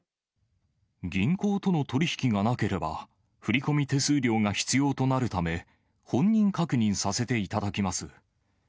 銀行との取り引きがなければ、振り込み手数料が必要となるため、本人確認させていただきます。